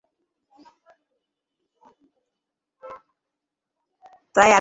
তাই আরেকটি হরতাল ডাকার অর্থ আরও অজানাসংখ্যক মানুষের অকালমৃত্যুর ঝুঁকি সৃষ্টি করা।